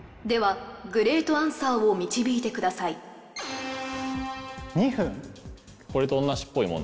ではグレートアンサーを導いてください。